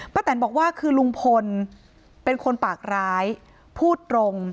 แตนบอกว่าคือลุงพลเป็นคนปากร้ายพูดตรง